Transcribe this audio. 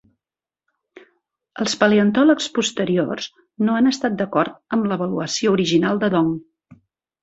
Els paleontòlegs posteriors no han estat d'acord amb l'avaluació original de Dong.